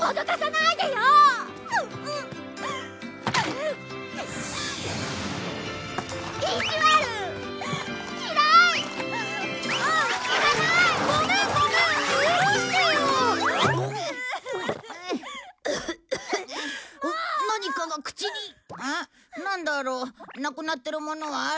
なんだろう？なくなってるものはある？